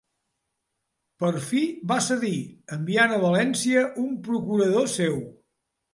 Per fi, va cedir, enviant a València un procurador seu.